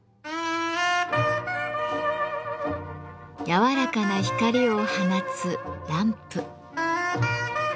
柔らかな光を放つランプ。